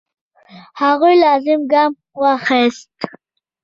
هغوی لازم ګام وانخیست.